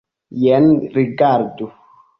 Jen rigardu.